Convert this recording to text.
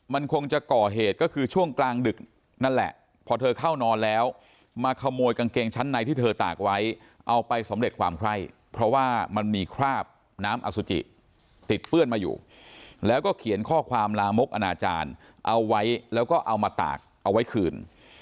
มันคงจะก่อเหตุก็คือช่วงกลางดึกนั่นแหละพอเธอเข้านอนแล้วมาขโมยกางเกงชั้นในที่เธอตากไว้เอาไปสำเร็จความไคร้เพราะว่ามันมีคราบน้ำอสุจิติดเปื้อนมาอยู่แล้วก็เขียนข้อความลามกอนาจารย์เอาไว้แล้วก็เอามาตากเอาไว้คืน